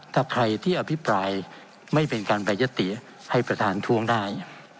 ถ้าใครที่อภิปรายไม่เป็นการแปรยติให้ประธานทวงได้